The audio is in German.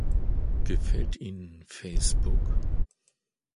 Gefällt Ihnen Facebook?